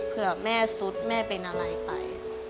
เผื่อแม่สุดแม่เป็นอะไรไป